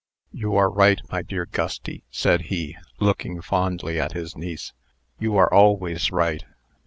"You are right, my dear Gusty," said he, looking fondly at his niece. "You are always right.